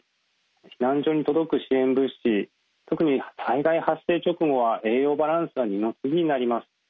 避難所に届く支援物資特に災害発生直後は栄養バランスは二の次になります。